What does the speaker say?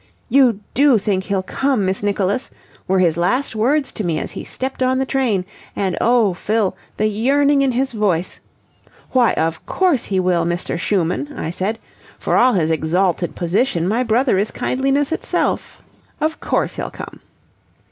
'You do think he'll come, Miss Nicholas?' were his last words to me as he stepped on the train, and oh, Fill, the yearning in his voice. 'Why, of course he will, Mr. Schumann,' I said. 'For all his exalted position, my brother is kindliness itself. Of course he'll come.'